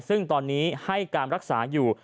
ซึ่งตอนนี้ให้การรักษาอยู่